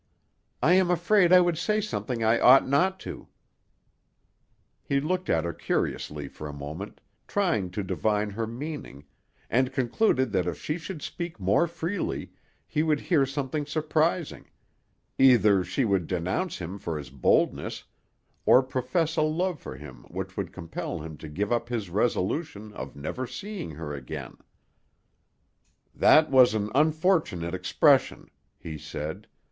"I am afraid I would say something I ought not to." He looked at her curiously for a moment, trying to divine her meaning, and concluded that if she should speak more freely, he would hear something surprising; either she would denounce him for his boldness, or profess a love for him which would compel him to give up his resolution of never seeing her again. "That was an unfortunate expression," he said.